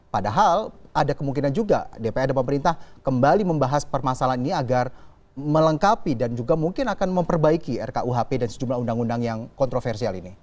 padahal ada kemungkinan juga dpr dan pemerintah kembali membahas permasalahan ini agar melengkapi dan juga mungkin akan memperbaiki rkuhp dan sejumlah undang undang yang kontroversial ini